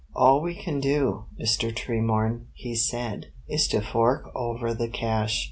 "All we can do, Mr. Tremorne," he said, "is to fork over the cash.